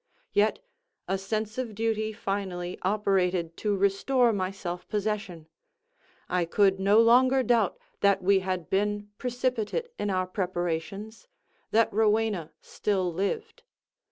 Yet a sense of duty finally operated to restore my self possession. I could no longer doubt that we had been precipitate in our preparations—that Rowena still lived.